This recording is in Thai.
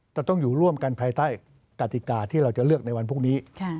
จะต้องอยู่ร่วมกันภายใต้กติกาที่เราจะเลือกในวันพรุ่งนี้